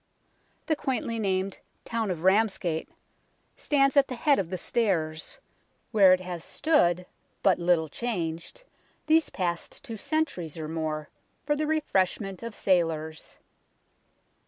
The quaintly named " Town of Ramsgate " stands at the head of the Stairs, where it has stood, but little changed, these past two centuries or more for the refreshment of sailors.